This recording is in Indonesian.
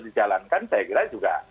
dijalankan saya kira juga